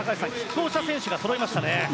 こうした選手がそろいましたね。